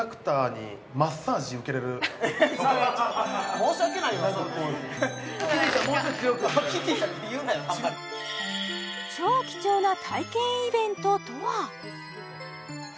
それはちょっと申し訳ないわ超貴重な体験イベントとは？